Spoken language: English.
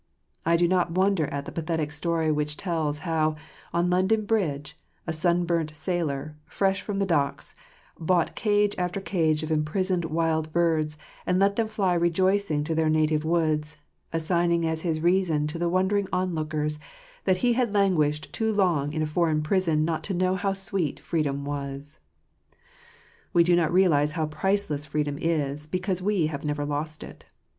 I do not wonder at the pathetic story which tells how, on London Bridge, a sunburnt sailor, fresh from the docks, bought cage after cage of imprisoned wild birds, and let them fly rejoicing to their native woods, assigning as his reason to the wondering on lookers that he had languished too long in a foreign prison not to know how sweet freedom Jwas. We do not realize how priceless freedom is, because ■ /we have never lost it.